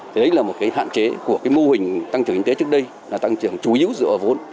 đấy là một cái hạn chế của cái mô hình tăng trưởng kinh tế trước đây là tăng trưởng chủ yếu dựa vào vốn